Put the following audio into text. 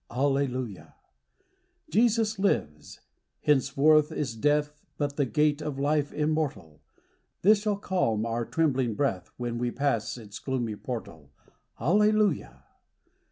Alleluia ! Jesus lives : henceforth is death But the gate of life immortal ; This shall calm our trembling breath, When we pass its gloomy portal. Alleluia